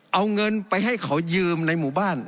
เอาเงินไปให้เขายืมในหมู่บ้าน